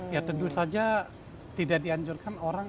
ya tentu saja tidak dianjurkan orang